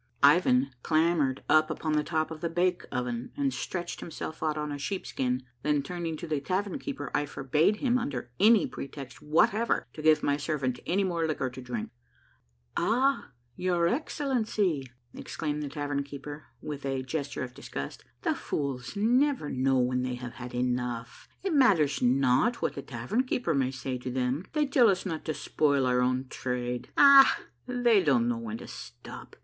Ivan clambered up upon the top of the bake oven, and stretched himself out on a sheepskin ; then turning to the tavern keeper, I forbade him under any pretext whatever to give my servant any more liquor to drink. Vasha prevoskhoditeUtvo [Ah, your Excellency !]" exclaimed the tavern keeper with a gesture of disgust, " the fools never know when they have had enough. It matters not what the tavern keeper may say to them. They tell us not to spoil our own trade. Akh! Ah! they don't know when to stop.